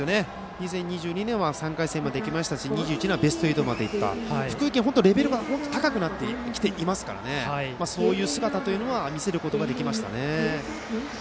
２０２２年は３回戦まで行きましたし２１年はベスト８に行って福井県は本当に高くなってきていますからそういう姿というのは見せることができましたね。